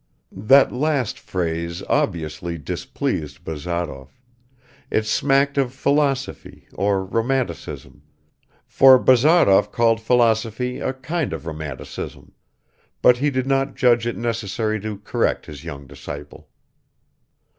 That last phrase obviously displeased Bazarov; it smacked of philosophy, or romanticism, for Bazarov called philosophy a kind of romanticism but he did not judge it necessary to correct his young disciple.